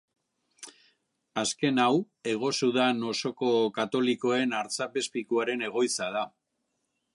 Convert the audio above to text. Azken hau Hego Sudan osoko katolikoen artzapezpikuaren egoitza da.